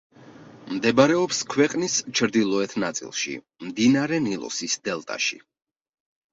მდებარეობს ქვეყნის ჩრდილოეთ ნაწილში, მდინარე ნილოსის დელტაში.